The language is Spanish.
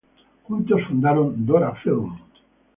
Juntos fundaron Dora Film.